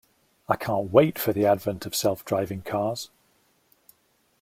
I can't wait for the advent of self driving cars.